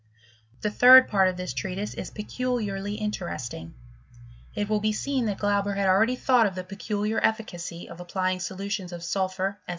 The third part of this treatise is peculiarly interesting. It will be seen that Glauber had already thought of the peculiar efficacy pf applying solutions of sulphur, &c.